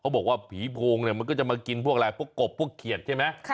บอกว่าผีโพงเนี่ยมันก็จะมากินพวกอะไรพวกกบพวกเขียดใช่ไหม